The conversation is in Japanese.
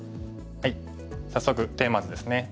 早速テーマ図ですね。